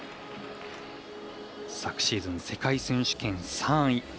昨シーズン、世界選手権３位。